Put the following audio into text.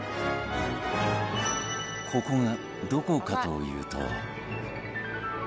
ここはどこかというと